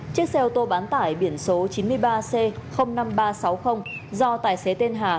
chiếc xe ô tô bán tải biển số chín mươi ba c năm nghìn ba trăm sáu mươi do tài xế tên hà